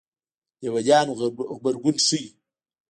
لېونیانو غبرګون ښيي.